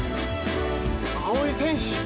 青井選手